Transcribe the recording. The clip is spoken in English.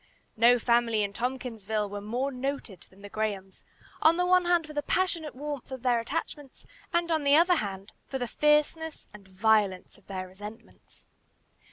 No family in Tompkinsville were more noted than the Grahams, on the one hand for the passionate warmth of their attachments, and on the other for the fierceness and violence of their resentments.